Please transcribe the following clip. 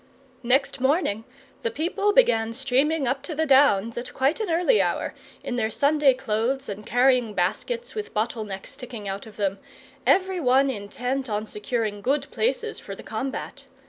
Next morning the people began streaming up to the Downs at quite an early hour, in their Sunday clothes and carrying baskets with bottle necks sticking out of them, every one intent on securing good places for the combat.